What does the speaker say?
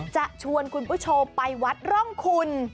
ชวนคุณผู้ชมไปวัดร่องคุณ